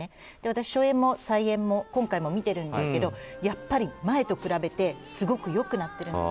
初演も再演も今回も見てるんですけどやっぱり前と比べてすごく良くなってるんです。